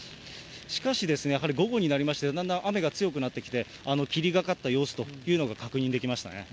しかし、やはり午後になりまして、だんだん雨が強くなってきて、霧がかった様子というのが確認できましたね。